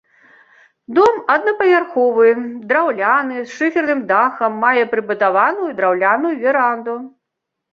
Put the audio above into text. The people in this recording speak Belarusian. Дом аднапавярховы, драўляны з шыферным дахам, мае прыбудаваную драўляную веранду.